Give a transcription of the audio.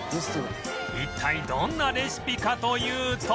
一体どんなレシピかというと